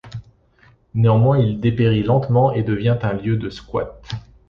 Néanmoins, il dépérit lentement et devient un lieu de squat.